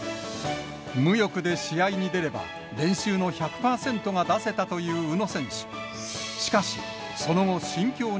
無欲で試合に出れば、練習の１００％が出せたという宇野選手。